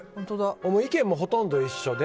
意見もほとんど一緒で。